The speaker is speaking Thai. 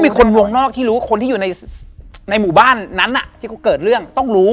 มีคนวงนอกที่รู้คนที่อยู่ในหมู่บ้านนั้นที่เขาเกิดเรื่องต้องรู้